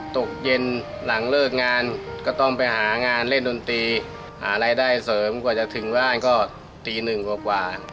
ตกเย็นหลังเลิกงานก็ต้องไปหางานเล่นดนตรีหารายได้เสริมกว่าจะถึงบ้านก็ตีหนึ่งกว่า